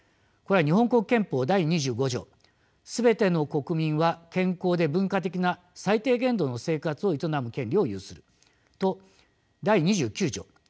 これは日本国憲法第２５条「全ての国民は健康で文化的な最低限度の生活を営む権利を有する」と第２９条